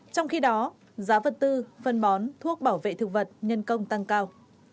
trong khi đó giá vật tư phân bón thuốc bảo vệ thực vật nhân công tăng cao